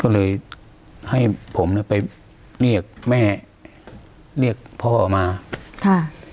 ก็เลยให้ผมเนี้ยไปเรียกแม่เรียกพ่อมาค่ะ